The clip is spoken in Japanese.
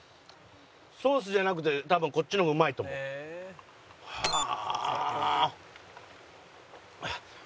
ソースじゃなくて多分こっちの方がうまいと思う。はあ！